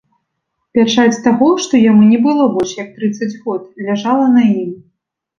Пячаць таго, што яму не было больш як трыццаць год, ляжала на ім.